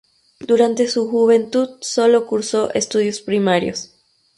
Durante su juventud sólo cursó estudios primarios.